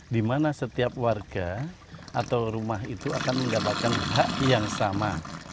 dimana setiap warga atau rumah itu akan mendapatkan bak yang sama